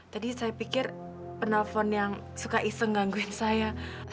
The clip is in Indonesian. tadi saya pikir penelpon yang suka iseng gangguin saya